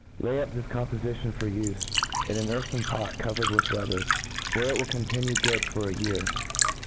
Lay up this compofition for ufe, in an earthen pot cover r cd with leather, where it will continue good for a year.